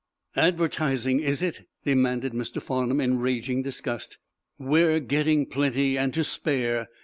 "Advertising, is it?" demanded Mr. Farnum, in raging disgust. "We're getting plenty and to spare.